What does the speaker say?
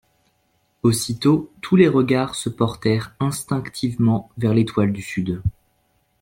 Aussitôt, tous les regards se portèrent instinctivement vers l’Étoile du Sud...